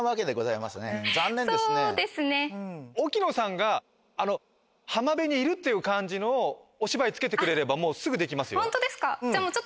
沖野さんが浜辺にいるっていう感じのお芝居つけてくれればもうすぐできますよあっ